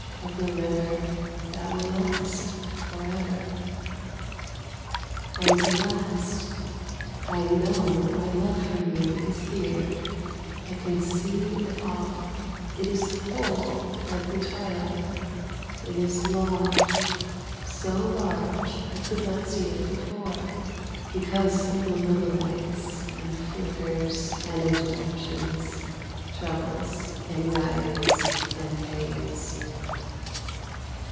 of the river That will last for ever. And at last I know my love for you is here, I can see it all, it is whole like the twilight, It is large, so large, I could not see it before Because of the little lights and flickers and interruptions, Troubles, anxieties and pains.